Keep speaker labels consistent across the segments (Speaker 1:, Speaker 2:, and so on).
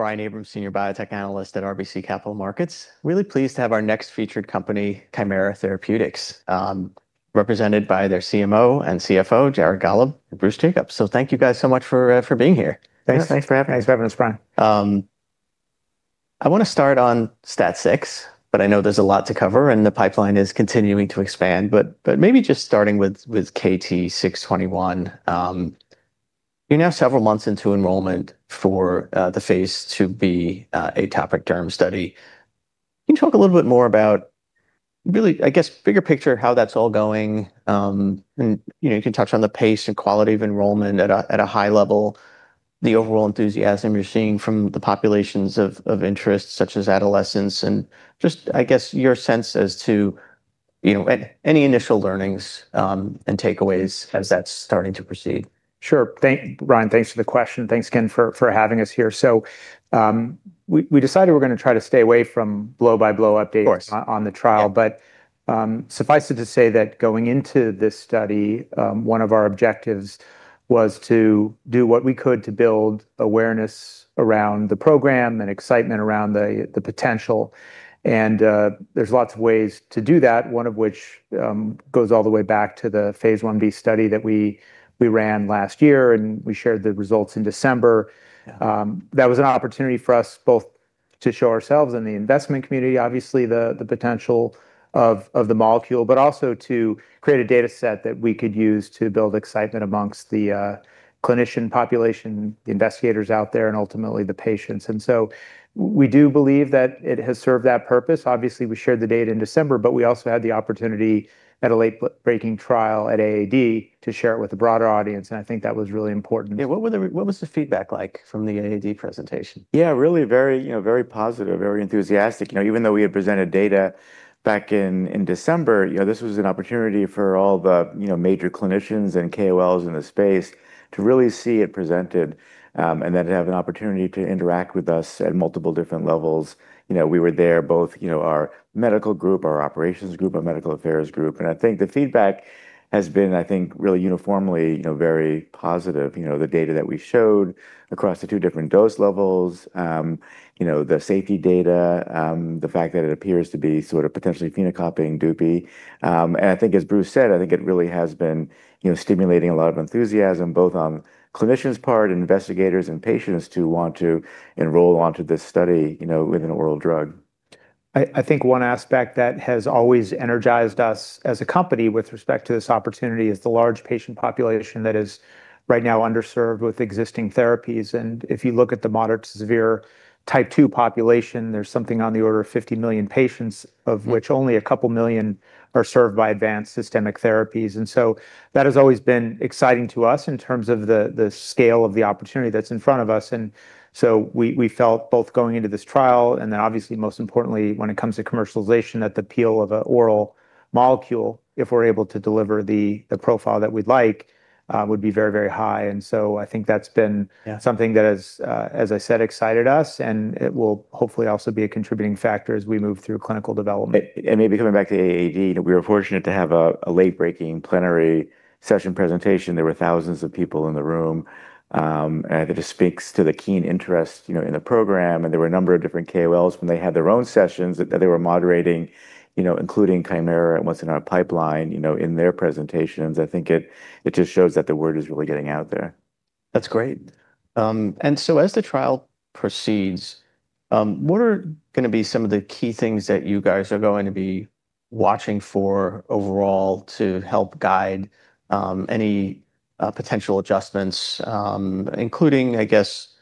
Speaker 1: Brian Abrahams, senior biotech analyst at RBC Capital Markets. Really pleased to have our next featured company, Kymera Therapeutics, represented by their CMO and CFO, Jared Gollob and Bruce Jacobs. Thank you guys so much for being here.
Speaker 2: Thanks.
Speaker 3: Thanks for having us.
Speaker 2: Thanks for having us, Brian.
Speaker 1: I wanna start on STAT6, but I know there's a lot to cover, and the pipeline is continuing to expand. Maybe just starting with KT-621, you're now several months into enrollment for the phase IIb, atopic derm study. Can you talk a little bit more about really, I guess, bigger picture how that's all going, and, you know, you can touch on the pace and quality of enrollment at a high level, the overall enthusiasm you're seeing from the populations of interest, such as adolescents, and just, I guess, your sense as to, you know, any initial learnings, and takeaways as that's starting to proceed?
Speaker 3: Sure. Brian, thanks for the question. Thanks again for having us here. We decided we're gonna try to stay away from blow-by-blow updates.
Speaker 1: Of course.
Speaker 3: on the trial. Suffice it to say that going into this study, one of our objectives was to do what we could to build awareness around the program and excitement around the potential. There's lots of ways to do that, one of which goes all the way back to the phase Ib study that we ran last year, and we shared the results in December.
Speaker 1: Yeah.
Speaker 3: That was an opportunity for us both to show ourselves in the investment community, obviously the potential of the molecule, but also to create a data set that we could use to build excitement amongst the clinician population, the investigators out there, and ultimately the patients. We do believe that it has served that purpose. Obviously, we shared the data in December, but we also had the opportunity at a late breaking trial at AAD to share it with a broader audience. I think that was really important.
Speaker 1: Yeah. What was the feedback like from the AAD presentation?
Speaker 2: Yeah, really very, you know, very positive, very enthusiastic. You know, even though we had presented data back in December, you know, this was an opportunity for all the, you know, major clinicians and KOLs in the space to really see it presented, and then to have an opportunity to interact with us at multiple different levels. You know, we were there both, you know, our medical group, our operations group, our medical affairs group. I think the feedback has been really uniformly, you know, very positive. You know, the data that we showed across the two different dose levels, you know, the safety data, the fact that it appears to be sort of potentially phenocopying Dupixent. I think as Bruce said, I think it really has been, you know, stimulating a lot of enthusiasm both on clinicians' part and investigators and patients to want to enroll onto this study, you know, with an oral drug.
Speaker 3: I think one aspect that has always energized us as a company with respect to this opportunity is the large patient population that is right now underserved with existing therapies. If you look at the moderate to severe type II population, there's something on the order of 50 million patients, of which only 2 million are served by advanced systemic therapies. That has always been exciting to us in terms of the scale of the opportunity that's in front of us. We felt both going into this trial and then obviously most importantly when it comes to commercialization, that the appeal of an oral molecule, if we're able to deliver the profile that we'd like, would be very, very high. I think that's been.
Speaker 1: Yeah
Speaker 3: something that has, as I said, excited us, and it will hopefully also be a contributing factor as we move through clinical development.
Speaker 2: Maybe coming back to AAD, we were fortunate to have a late-breaking plenary session presentation. There were thousands of people in the room, and that just speaks to the keen interest, you know, in the program. There were a number of different KOLs when they had their own sessions that they were moderating, you know, including Kymera and what's in our pipeline, you know, in their presentations. I think it just shows that the word is really getting out there.
Speaker 1: That's great. As the trial proceeds, what are gonna be some of the key things that you guys are going to be watching for overall to help guide any potential adjustments, including, I guess,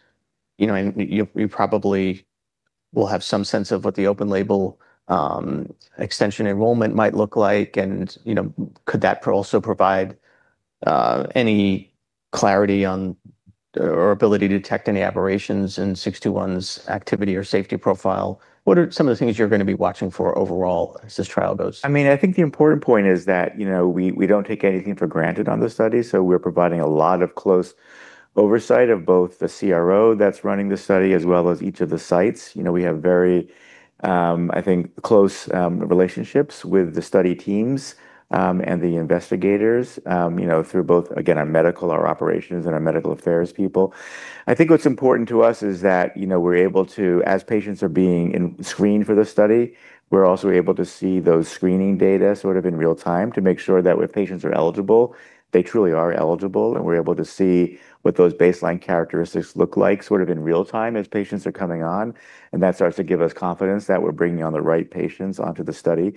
Speaker 1: you know, you probably will have some sense of what the open-label extension enrollment might look like. Could that also provide any clarity on or ability to detect any aberrations in 621's activity or safety profile? What are some of the things you're gonna be watching for overall as this trial goes?
Speaker 2: I mean, I think the important point is that, you know, we don't take anything for granted on this study, so we're providing a lot of close oversight of both the CRO that's running the study as well as each of the sites. You know, we have very, I think, close relationships with the study teams and the investigators, you know, through both, again, our medical, our operations, and our medical affairs people. I think what's important to us is that, you know, we're able to, as patients are being screened for the study, we're also able to see those screening data sort of in real time to make sure that when patients are eligible, they truly are eligible, and we're able to see what those baseline characteristics look like sort of in real time as patients are coming on. That starts to give us confidence that we're bringing on the right patients onto the study.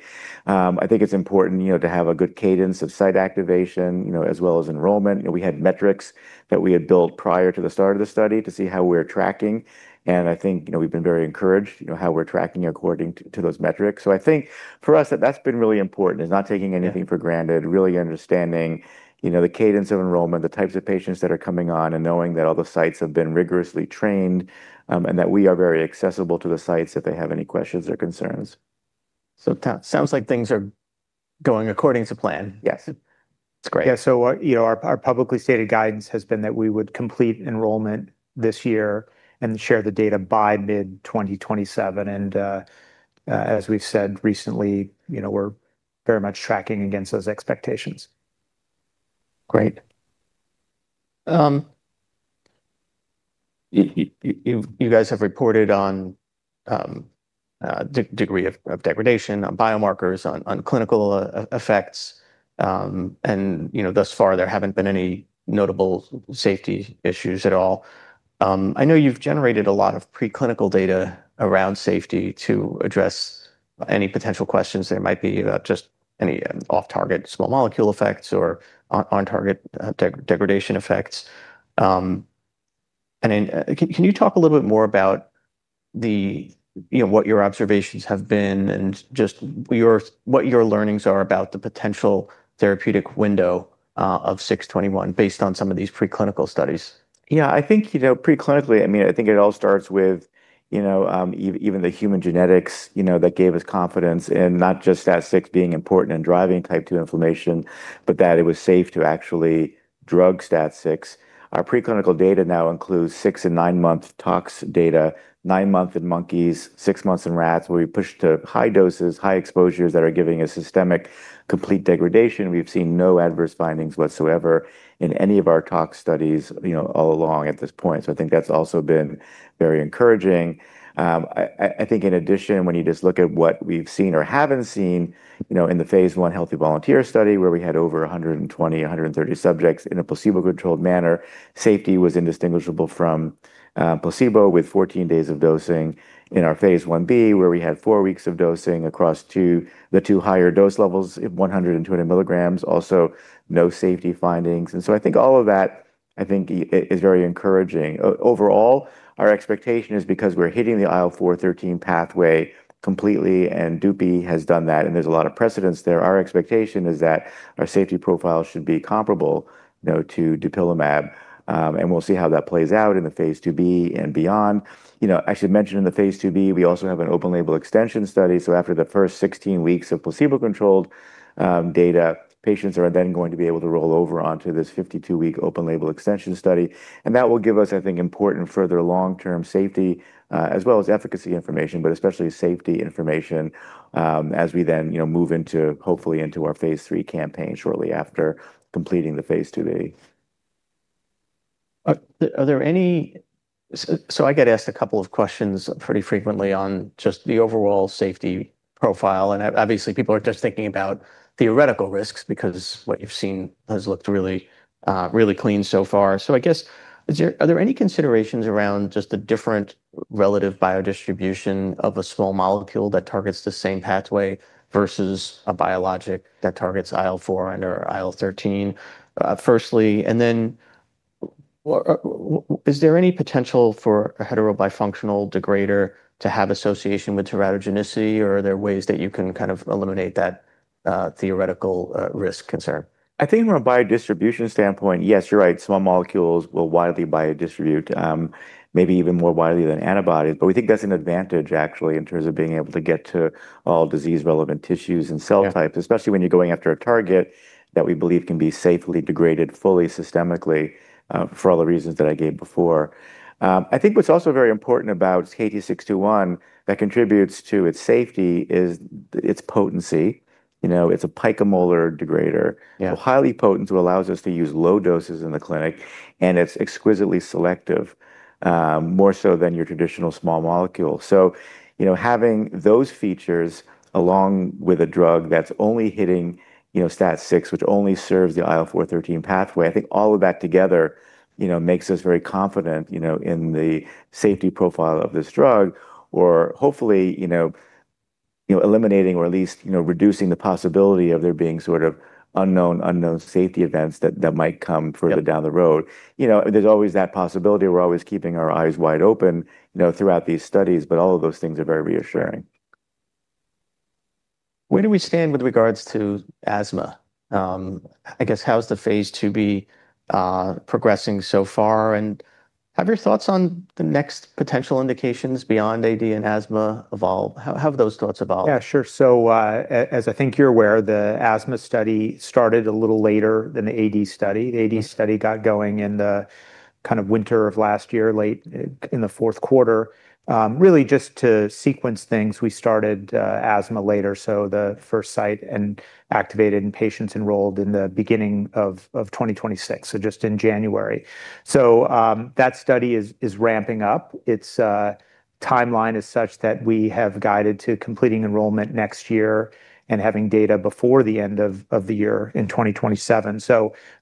Speaker 2: I think it's important, you know, to have a good cadence of site activation, you know, as well as enrollment. You know, we had metrics that we had built prior to the start of the study to see how we're tracking, and I think, you know, we've been very encouraged, you know, how we're tracking according to those metrics. I think for us that that's been really important, is not taking anything for granted. Really understanding, you know, the cadence of enrollment, the types of patients that are coming on, and knowing that all the sites have been rigorously trained, and that we are very accessible to the sites if they have any questions or concerns.
Speaker 1: Sounds like things are going according to plan.
Speaker 2: Yes.
Speaker 1: That's great.
Speaker 3: What, you know, our publicly stated guidance has been that we would complete enrollment this year and share the data by mid 2027. As we've said recently, you know, we're very much tracking against those expectations.
Speaker 1: Great. You guys have reported on degree of degradation, on biomarkers, on clinical effects. You know, thus far there haven't been any notable safety issues at all. I know you've generated a lot of preclinical data around safety to address any potential questions there might be about just any off-target small molecule effects or on-target degradation effects. Then can you talk a little bit more about the, you know, what your observations have been and just what your learnings are about the potential therapeutic window of KT-621 based on some of these preclinical studies?
Speaker 2: Yeah. I think, you know, preclinically, I mean, I think it all starts with, you know, even the human genetics, you know, that gave us confidence in not just STAT6 being important in driving type II inflammation, but that it was safe to actually drug STAT6. Our preclinical data now includes six and nine-month tox data, nine-month in monkeys, six months in rats, where we pushed to high doses, high exposures that are giving a systemic complete degradation. We've seen no adverse findings whatsoever in any of our tox studies, you know, all along at this point. I think that's also been very encouraging. I think in addition, when you just look at what we've seen or haven't seen, you know, in the phase I healthy volunteer study where we had over 120, 130 subjects in a placebo-controlled manner, safety was indistinguishable from placebo with 14 days of dosing in our phase Ib, where we had four weeks of dosing across the two higher dose levels, 120 milligrams, also no safety findings. I think all of that, I think is very encouraging. Overall, our expectation is because we're hitting the IL-4, 13 pathway completely, and DUPY has done that, and there's a lot of precedents there. Our expectation is that our safety profile should be comparable, you know, to dupilumab, and we'll see how that plays out in the phase IIb and beyond. You know, I should mention in the phase IIb, we also have an open-label extension study. After the first 16 weeks of placebo-controlled data, patients are then going to be able to roll over onto this 52-week open-label extension study. That will give us, I think, important further long-term safety, as well as efficacy information, but especially safety information, as we then, you know, move into, hopefully into our phase III campaign shortly after completing the phase IIb.
Speaker 1: I get asked a couple of questions pretty frequently on just the overall safety profile, and obviously people are just thinking about theoretical risks because what you've seen has looked really clean so far. I guess are there any considerations around just the different relative biodistribution of a small molecule that targets the same pathway versus a biologic that targets IL-4 and/or IL-13, firstly? Is there any potential for a heterobifunctional degrader to have association with teratogenicity, or are there ways that you can kind of eliminate that theoretical risk concern?
Speaker 2: I think from a biodistribution standpoint, yes, you're right. Small molecules will widely biodistribute, maybe even more widely than antibodies. We think that's an advantage actually, in terms of being able to get to all disease relevant tissues and cell types.
Speaker 1: Yeah
Speaker 2: especially when you're going after a target that we believe can be safely degraded fully systemically, for all the reasons that I gave before. I think what's also very important about KT-621 that contributes to its safety is its potency. You know, it's a picomolar degrader.
Speaker 1: Yeah.
Speaker 2: Highly potent, so allows us to use low doses in the clinic, and it's exquisitely selective, more so than your traditional small molecule. Having those features along with a drug that's only hitting, you know, STAT6, which only serves the IL-4, IL-13 pathway, I think all of that together, you know, makes us very confident, you know, in the safety profile of this drug or hopefully, you know, eliminating or at least, you know, reducing the possibility of there being sort of unknown safety events.
Speaker 1: Yeah
Speaker 2: down the road. You know, there's always that possibility. We're always keeping our eyes wide open, you know, throughout these studies, but all of those things are very reassuring.
Speaker 1: Where do we stand with regards to asthma? I guess how's the phase IIb progressing so far? Have your thoughts on the next potential indications beyond AD and asthma evolved? How have those thoughts evolved?
Speaker 3: Yeah, sure. As I think you're aware, the asthma study started a little later than the AD study. The AD study got going in the kind of winter of last year, late in the fourth quarter. Really just to sequence things, we started asthma later, so the first site and activated patients enrolled in the beginning of 2026, so just in January. That study is ramping up. Its timeline is such that we have guided to completing enrollment next year and having data before the end of the year in 2027.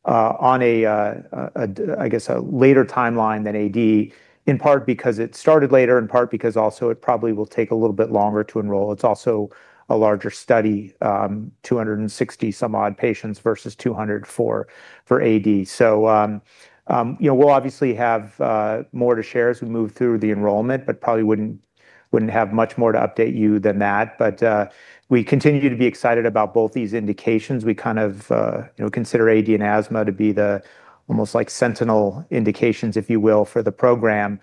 Speaker 3: On a, I guess a later timeline than AD, in part because it started later, in part because also it probably will take a little bit longer to enroll. It's also a larger study, 260 some odd patients versus 200 for AD. You know, we'll obviously have more to share as we move through the enrollment, but probably wouldn't have much more to update you than that. We continue to be excited about both these indications. We kind of, you know, consider AD and asthma to be the almost like sentinel indications, if you will, for the program.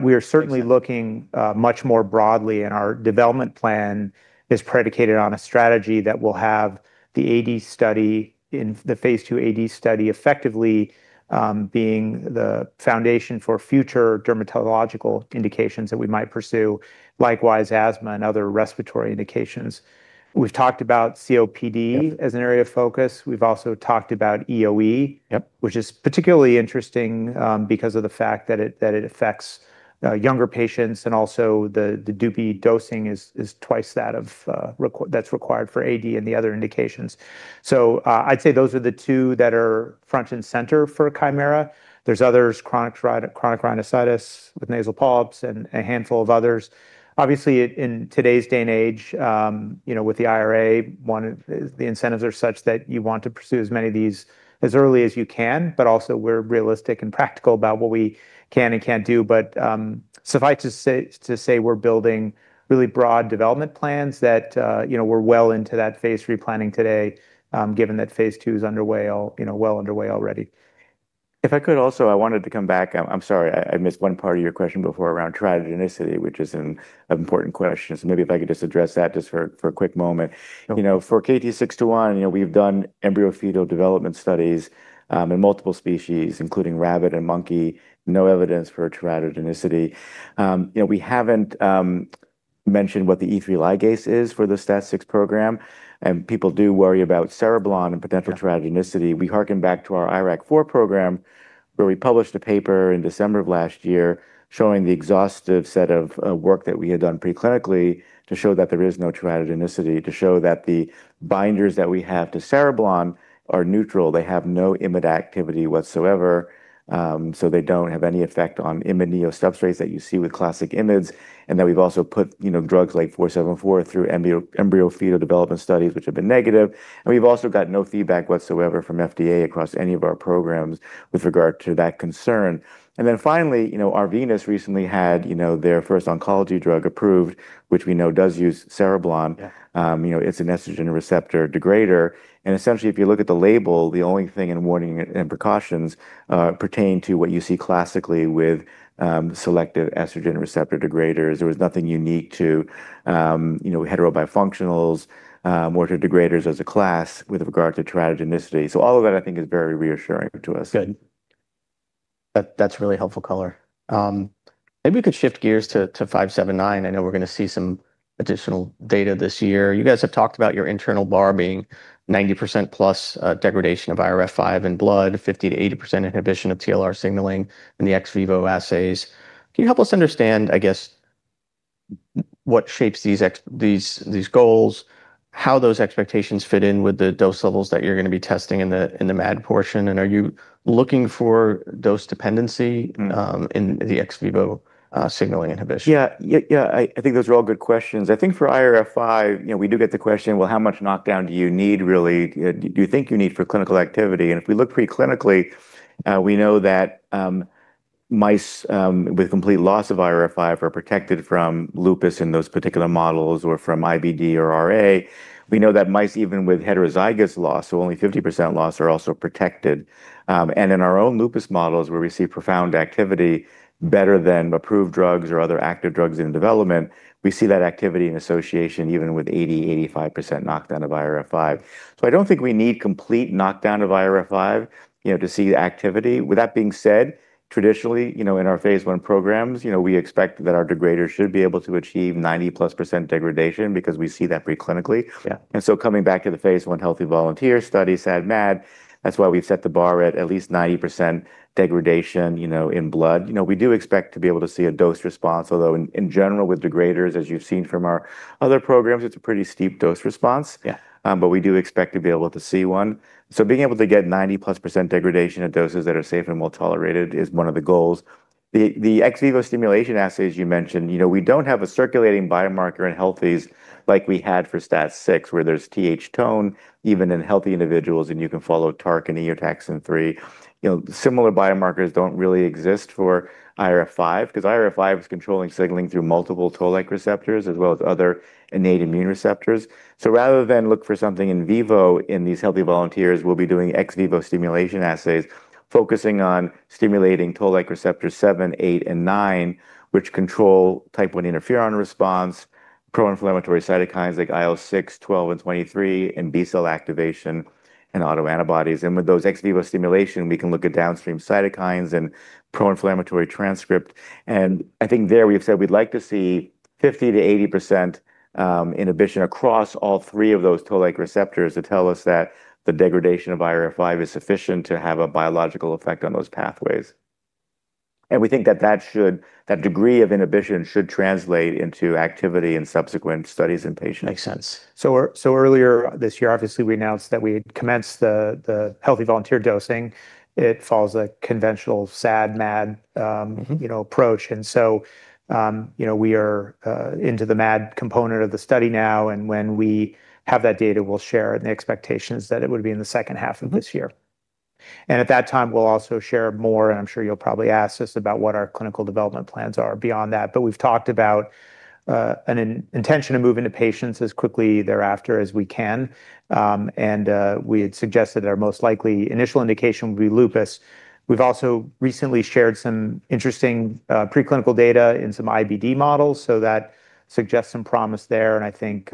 Speaker 3: We are certainly looking much more broadly, and our development plan is predicated on a strategy that will have the phase II AD study effectively being the foundation for future dermatological indications that we might pursue, likewise asthma and other respiratory indications. We've talked about COPD.
Speaker 1: Yep
Speaker 3: as an area of focus. We've also talked about EOE.
Speaker 1: Yep
Speaker 3: which is particularly interesting, because of the fact that it, that it affects younger patients, and also the DUPIXENT dosing is twice that of that's required for AD and the other indications. I'd say those are the two that are front and center for Kymera. There's others, chronic rhinosinusitis with nasal polyps and a handful of others. Obviously, in today's day and age, you know, with the IRA, one of the incentives are such that you want to pursue as many of these as early as you can, but also we're realistic and practical about what we can and can't do. Suffice to say we're building really broad development plans that, you know, we're well into that phase III planning today, given that phase II is underway all, you know, well underway already.
Speaker 2: If I could also, I wanted to come back. I'm sorry I missed one part of your question before around teratogenicity, which is an important question. Maybe if I could just address that just for a quick moment.
Speaker 1: Sure.
Speaker 2: You know, for KT-621, you know, we've done embryo-fetal development studies in multiple species, including rabbit and monkey. No evidence for teratogenicity. You know, we haven't mentioned what the E3 ligase is for the STAT6 program, people do worry about cereblon and potential teratogenicity. We harken back to our IRAK4 program, where we published a paper in December of last year showing the exhaustive set of work that we had done pre-clinically to show that there is no teratogenicity, to show that the binders that we have to cereblon are neutral. They have no IMiD activity whatsoever, they don't have any effect on IMiD neosubstrates that you see with classic IMiDs. We've also put, you know, drugs like KT-474 through embryo-fetal development studies, which have been negative. We've also got no feedback whatsoever from FDA across any of our programs with regard to that concern. Finally, you know, Arvinas recently had, you know, their first oncology drug approved, which we know does use cereblon.
Speaker 1: Yeah.
Speaker 2: You know, it's an estrogen receptor degrader. Essentially, if you look at the label, the only thing in warning and precautions pertain to what you see classically with selective estrogen receptor degraders. There was nothing unique to, you know, heterobifunctionals, molecular degraders as a class with regard to teratogenicity. All of that I think is very reassuring to us.
Speaker 1: Good. That's really helpful color. Maybe we could shift gears to 579. I know we're going to see some additional data this year. You guys have talked about your internal bar being 90% plus degradation of IRF5 in blood, 50%-80% inhibition of TLR signaling in the ex vivo assays. Can you help us understand, I guess, what shapes these goals, how those expectations fit in with the dose levels that you're going to be testing in the MAD portion? Are you looking for dose dependency in the ex vivo signaling inhibition?
Speaker 2: Yeah. I think those are all good questions. I think for IRF5, you know, we do get the question, "Well, how much knockdown do you need really, do you think you need for clinical activity?" If we look pre-clinically, we know that mice with complete loss of IRF5 are protected from lupus in those particular models or from IBD or RA. We know that mice, even with heterozygous loss, so only 50% loss, are also protected. In our own lupus models, where we see profound activity better than approved drugs or other active drugs in development, we see that activity in association even with 80%-85% knockdown of IRF5. I don't think we need complete knockdown of IRF5, you know, to see the activity. With that being said, traditionally, you know, in our phase I programs, you know, we expect that our degraders should be able to achieve 90%+ degradation because we see that pre-clinically.
Speaker 1: Yeah.
Speaker 2: Coming back to the phase I healthy volunteer study, SAD MAD, that's why we've set the bar at at least 90% degradation, you know, in blood. You know, we do expect to be able to see a dose response, although in general with degraders, as you've seen from our other programs, it's a pretty steep dose response.
Speaker 1: Yeah.
Speaker 2: We do expect to be able to see one. Being able to get 90% plus degradation at doses that are safe and well-tolerated is one of the goals. The ex vivo stimulation assays you mentioned, you know, we don't have a circulating biomarker in healthies like we had for STAT6, where there's Th2 tone even in healthy individuals, and you can follow TARC or Eotaxin-3. You know, similar biomarkers don't really exist for IRF5 because IRF5 is controlling signaling through multiple Toll-like receptors as well as other innate immune receptors. Rather than look for something in vivo in these healthy volunteers, we'll be doing ex vivo stimulation assays, focusing on stimulating Toll-like receptors seven, eight, and nine, which control Type I interferon response, pro-inflammatory cytokines like IL-6, IL-12, and IL-23, and B-cell activation and autoantibodies. With those ex vivo stimulation, we can look at downstream cytokines and pro-inflammatory transcript. I think there we've said we'd like to see 50%-80% inhibition across all three of those Toll-like receptors to tell us that the degradation of IRF5 is sufficient to have a biological effect on those pathways. We think that that degree of inhibition should translate into activity in subsequent studies in patients.
Speaker 1: Makes sense.
Speaker 3: Earlier this year, obviously, we announced that we had commenced the healthy volunteer dosing. It follows a conventional SAD, MAD. you know, approach. You know, we are into the MAD component of the study now, and when we have that data, we'll share. The expectation's that it would be in the second half of this year. At that time, we'll also share more, and I'm sure you'll probably ask this, about what our clinical development plans are beyond that. We've talked about an intention to move into patients as quickly thereafter as we can. We had suggested our most likely initial indication would be lupus. We've also recently shared some interesting preclinical data in some IBD models, so that suggests some promise there, and I think,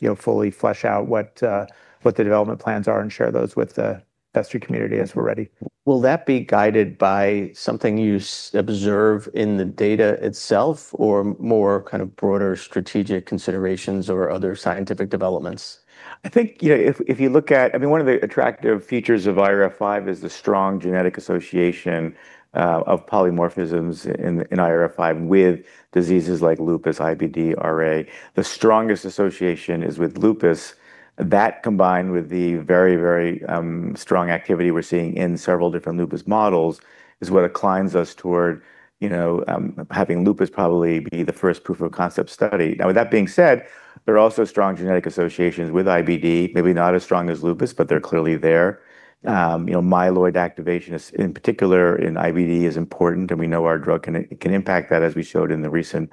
Speaker 3: you know, fully flesh out what the development plans are and share those with the investor community as we're ready.
Speaker 1: Will that be guided by something you observe in the data itself or more kind of broader strategic considerations or other scientific developments?
Speaker 2: I mean, one of the attractive features of IRF5 is the strong genetic association of polymorphisms in IRF5 with diseases like lupus, IBD, RA. The strongest association is with lupus. That combined with the very strong activity we're seeing in several different lupus models, having lupus probably be the first proof of concept study. With that being said, there are also strong genetic associations with IBD, maybe not as strong as lupus, but they're clearly there. You know, myeloid activation is, in particular in IBD, is important, and we know our drug can impact that, as we showed in the recent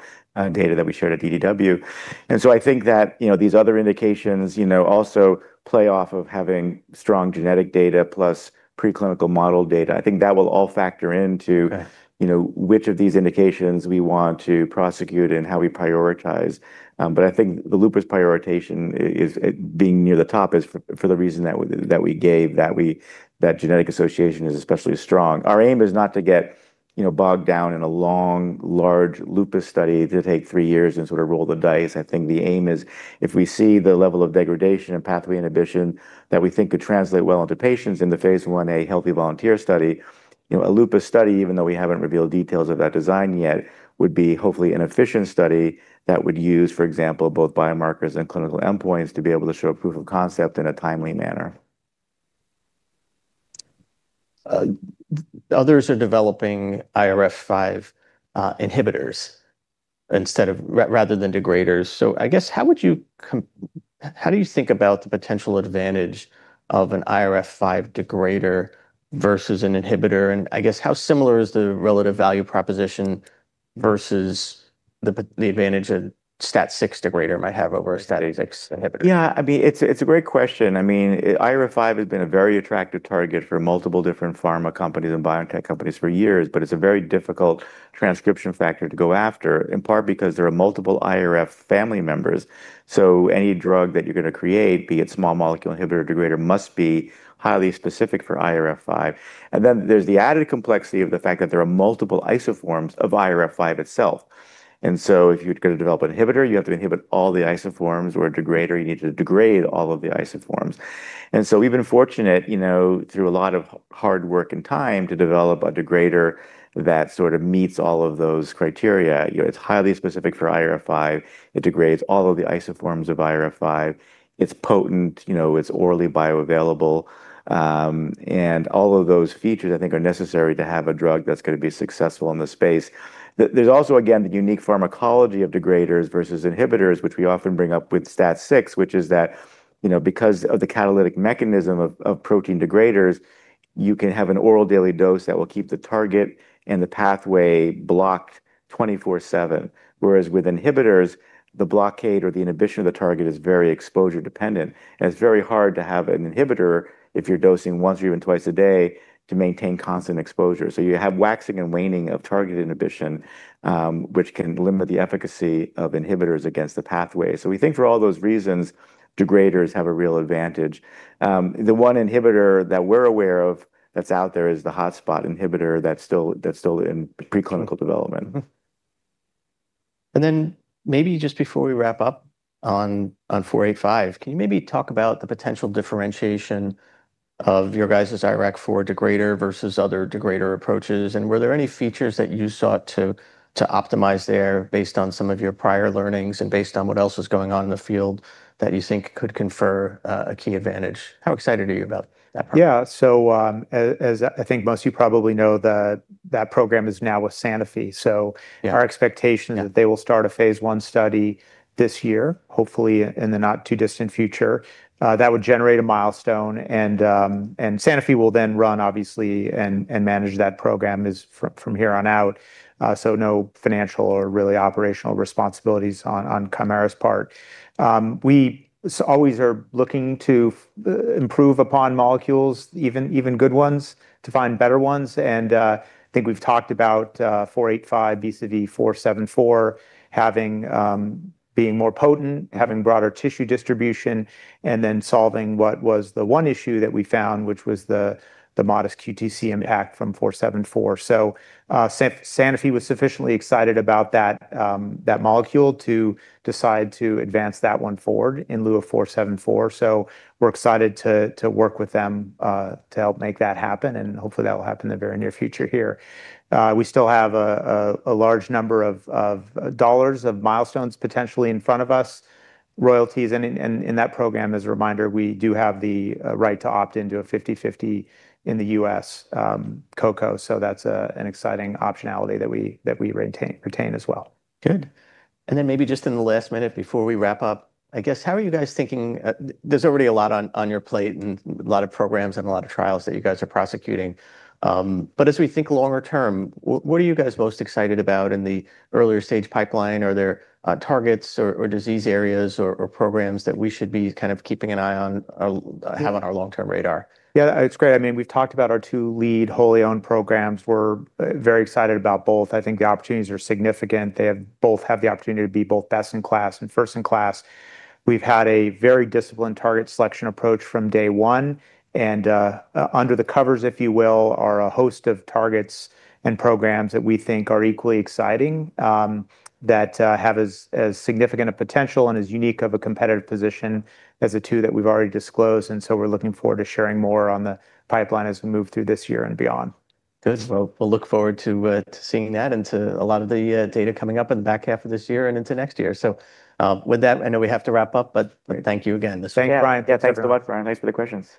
Speaker 2: data that we showed at DDW. I think that, you know, these other indications, you know, also play off of having strong genetic data plus preclinical model data. I think that we all factor into, you know, which of these indications we want to prosecute and how we prioritize. I think the lupus prioritization is being near the top is for the reason that we gave, that genetic association is especially strong. Our aim is not to get, you know, bogged down in a long, large lupus study to take three years and sort of roll the dice. I think the aim is if we see the level of degradation and pathway inhibition that we think could translate well into patients in the phase Ia healthy volunteer study, you know, a lupus study, even though we haven't revealed details of that design yet, would be hopefully an efficient study that would use, for example, both biomarkers and clinical endpoints to be able to show proof of concept in a timely manner.
Speaker 1: Others are developing IRF5 inhibitors instead of rather than degraders. I guess How do you think about the potential advantage of an IRF5 degrader versus an inhibitor? I guess how similar is the relative value proposition versus the advantage a STAT6 degrader might have over a STAT6 inhibitor?
Speaker 2: Yeah, I mean, it's a great question. I mean, IRF5 has been a very attractive target for multiple different pharma companies and biotech companies for years, but it's a very difficult transcription factor to go after, in part because there are multiple IRF family members. Any drug that you're going to create, be it small molecule inhibitor or degrader, must be highly specific for IRF5. There's the added complexity of the fact that there are multiple isoforms of IRF5 itself. If you're going to develop an inhibitor, you have to inhibit all the isoforms, or a degrader, you need to degrade all of the isoforms. We've been fortunate, you know, through a lot of hard work and time to develop a degrader that sort of meets all of those criteria. You know, it's highly specific for IRF5. It degrades all of the isoforms of IRF5. It's potent, you know, it's orally bioavailable. All of those features I think are necessary to have a drug that's going to be successful in the space. There's also, again, the unique pharmacology of degraders versus inhibitors, which we often bring up with STAT6, which is that, you know, because of the catalytic mechanism of protein degraders, you can have an oral daily dose that will keep the target and the pathway blocked 24/7. Whereas with inhibitors, the blockade or the inhibition of the target is very exposure dependent, and it's very hard to have an inhibitor if you're dosing 1 or even two a day to maintain constant exposure. You have waxing and waning of target inhibition, which can limit the efficacy of inhibitors against the pathway. We think for all those reasons, degraders have a real advantage. The one inhibitor that we're aware of that's out there is the hotspot inhibitor that's still in preclinical development.
Speaker 1: Maybe just before we wrap up on KT-485, can you maybe talk about the potential differentiation of your guys' IRAK4 degrader versus other degrader approaches? Were there any features that you sought to optimize there based on some of your prior learnings and based on what else was going on in the field that you think could confer a key advantage? How excited are you about that part?
Speaker 3: Yeah. As I think most of you probably know, that program is now with Sanofi.
Speaker 1: Yeah
Speaker 3: our expectation-
Speaker 1: Yeah
Speaker 3: that they will start a phase I study this year, hopefully in the not too distant future, that would generate a milestone. Sanofi will then run obviously and manage that program from here on out. No financial or really operational responsibilities on Kymera's part. We always are looking to improve upon molecules, even good ones, to find better ones. I think we've talked about 485, vis-à-vis 474, having being more potent, having broader tissue distribution, and then solving what was the one issue that we found, which was the modest QTc impact from 474. Sanofi was sufficiently excited about that molecule to decide to advance that one forward in lieu of 474. We're excited to work with them to help make that happen, hopefully that will happen in the very near future here. We still have a large number of dollars of milestones potentially in front of us, royalties. In that program, as a reminder, we do have the right to opt into a 50/50 in the U.S. co-co. That's an exciting optionality that we retain as well.
Speaker 1: Good. Then maybe just in the last minute before we wrap up, I guess, how are you guys thinking there's already a lot on your plate and a lot of programs and a lot of trials that you guys are prosecuting? As we think longer term, what are you guys most excited about in the earlier stage pipeline? Are there targets or disease areas or programs that we should be kind of keeping an eye on or have on our long-term radar?
Speaker 3: Yeah, it's great. I mean, we've talked about our two lead wholly owned programs. We're very excited about both. I think the opportunities are significant. They both have the opportunity to be both best in class and first in class. We've had a very disciplined target selection approach from day one. Under the covers, if you will, are a host of targets and programs that we think are equally exciting, that have as significant a potential and as unique of a competitive position as the two that we've already disclosed. We're looking forward to sharing more on the pipeline as we move through this year and beyond.
Speaker 1: Good. Well, we'll look forward to seeing that and to a lot of the data coming up in the back half of this year and into next year. With that, I know we have to wrap up, but thank you again.
Speaker 3: Thanks, Brian.
Speaker 2: Yeah. Thanks a lot, Brian. Thanks for the questions.